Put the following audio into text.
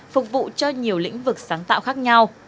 phục vụ cho nhiều lĩnh vực sáng tạo khác nhau